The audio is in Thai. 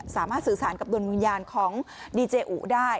สามารถสื่อสารกับดวงวิญญาณของดีเจอูได้